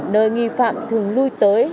nơi nghi phạm thường lui tới